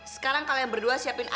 sekarang kalian berdua siapin